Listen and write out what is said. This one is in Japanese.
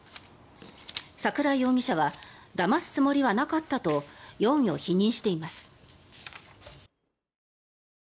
櫻井容疑者はだますつもりはなかったと容疑を否認しています。